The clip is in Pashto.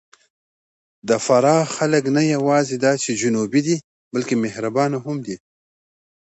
د فراه خلک نه یواځې دا چې جنوبي دي، بلکې مهربانه هم دي.